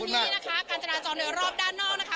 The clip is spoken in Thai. ตอนนี้นะครับการจัดงานจอเนื้อรอบด้านนอกนะคะ